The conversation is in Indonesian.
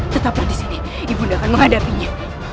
tetaplah di sini ibunda akan menghadapinya